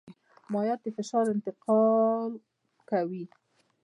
مایعات د فشار انتقال کوي.